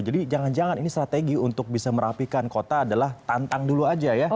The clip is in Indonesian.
jadi jangan jangan ini strategi untuk bisa merapikan kota adalah tantang dulu aja ya